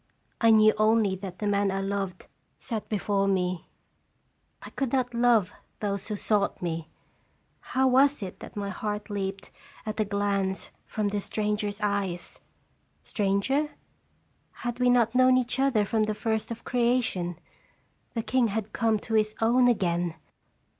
1 knew only that the man I loved sat before me. I could not love those who sought me. How was it that my heart leaped at a glance from this stranger's eyes? Stranger? Had we not known each other from the first of creation ? The king had come to his own again